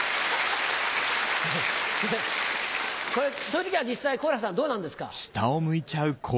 そういう時は実際好楽さんどうなんですか？